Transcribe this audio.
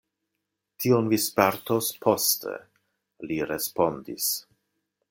Tion vi spertos poste, li respondis.